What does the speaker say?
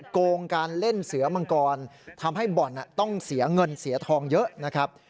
โกงการเล่นเสือมังกรทำให้บ่อนต้องเสียเงินเสียทองเยอะนะครับ